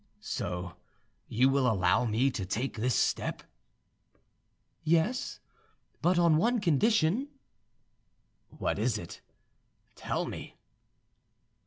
"So you will allow me to take this step?" "Yes, but on one condition." "What is it? Tell me."